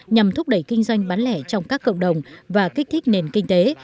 nhằm thúc đẩy kinh doanh bán lẻ trong các cộng đồng và kích thích nền kinh tế